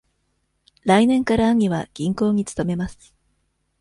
来年から兄は銀行に勤めます。